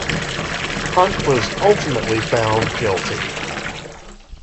Hunt was ultimately found guilty.